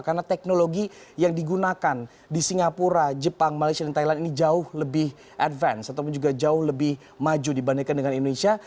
karena teknologi yang digunakan di singapura jepang malaysia dan thailand ini jauh lebih advance ataupun juga jauh lebih maju dibandingkan dengan indonesia